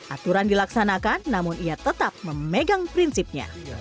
aturan dilaksanakan namun ia tetap memegang prinsipnya